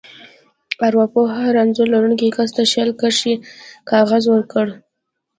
ارواپوه هر انځور لرونکي کس ته شل کرښې کاغذ ورکړ.